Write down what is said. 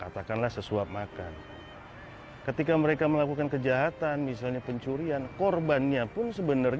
terima oleh yang gue lagi